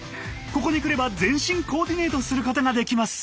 ここに来れば全身コーディネートすることができます。